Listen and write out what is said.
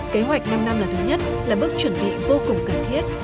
kế hoạch năm năm lần thứ nhất là bước chuẩn bị vô cùng cần thiết